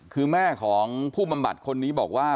คือแม่ของผู้บำบัดคนนี้บอกว่า